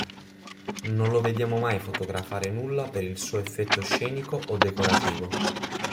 Non lo vediamo mai fotografare nulla per il suo effetto scenico o decorativo.